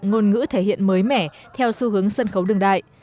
ngôn ngữ thể hiện mới mẻ theo xu hướng sân khấu đường đại